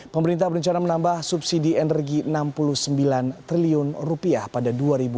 pemerintah berencana menambah subsidi energi rp enam puluh sembilan triliun pada dua ribu delapan belas